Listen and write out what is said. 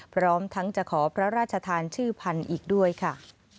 พร้อมทั้งจะขอพระราชทานชื่อพันธุ์อีกด้วยค่ะ